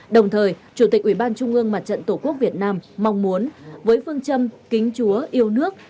đồng thời chủ tịch ủy ban trung ương mặt trận tổ quốc việt nam mong muốn với phương châm kính chúa yêu nước